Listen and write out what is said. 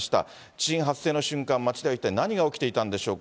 地震発生の瞬間、街では何が起きていたのでしょうか。